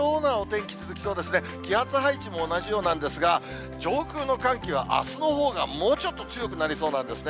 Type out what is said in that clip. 気圧配置も同じようなんですが、上空の寒気はあすのほうがもうちょっと強くなりそうなんですね。